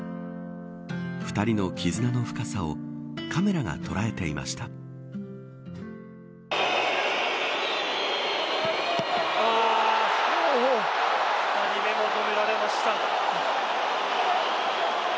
２人の絆の深さをカメラが捉えていました。